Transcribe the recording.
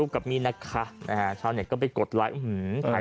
กับแบล็คโฮนี่แหละ